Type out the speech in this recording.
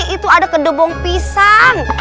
itu ada kedobong pisang